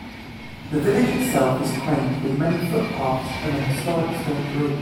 The village itself is quaint with many footpaths and a historic stone bridge.